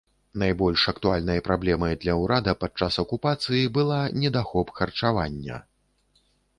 Найбольш актуальнай праблемай для ўрада падчас акупацыі была недахоп харчавання.